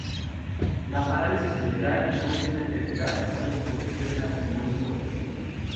La parálisis cerebral no es una enfermedad, no es contagiosa y no es progresiva.